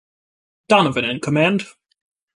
Donavin in command.